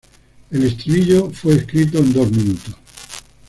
El estribillo fue escrito en dos minutos.